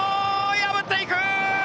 破っていく！